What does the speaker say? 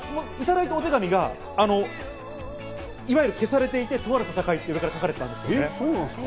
いただいたお手紙が消されていて、「とある戦い」って書かれていたんです。